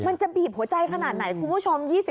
มันจะบีบหัวใจขนาดไหนคุณผู้ชม